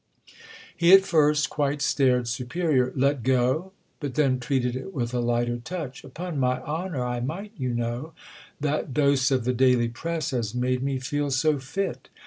He at first quite stared superior—"'Let go'?"—but then treated it with a lighter touch. "Upon my honour I might, you know—that dose of the daily press has made me feel so fit!